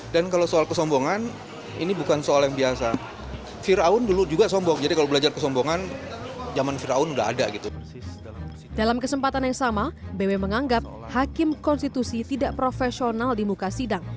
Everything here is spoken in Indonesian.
dalam kesempatan yang sama bw menganggap hakim konstitusi tidak profesional di muka sidang